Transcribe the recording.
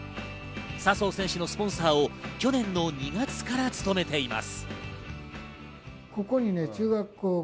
笹生選手のスポンサーを去年の２月から務めています。